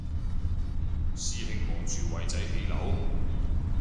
師兄望住偉仔起樓？